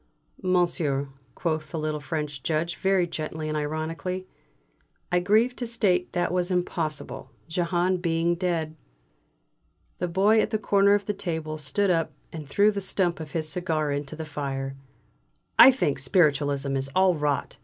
"Monsieur," quoth the little French Judge very gently and ironically, "I grieve to state that was impossible, Jehane being dead." The Boy at the corner of the table stood up and threw the stump of his cigar into the fire. "I think Spiritualism is all rot!"